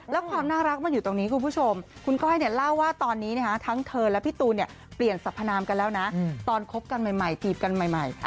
แล้วความน่ารักมันอยู่ตรงนี้คุณผู้ชมคุณก้อยเนี่ยเล่าว่าตอนนี้ทั้งเธอและพี่ตูนเปลี่ยนสัพพนามกันแล้วนะตอนคบกันใหม่จีบกันใหม่